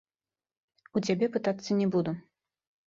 У цябе пытацца не буду!